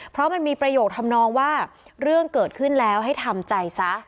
เพราะมันมีประโยคทำนองว่าเรื่องเกิดขึ้นแล้วให้ทำใจซะ